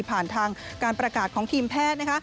ผ่านทางการประกาศของทีมแพทย์นะคะ